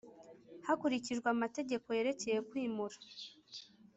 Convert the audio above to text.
Hakurikijwe amategeko yerekeye kwimura